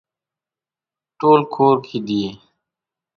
ټول کور کې دي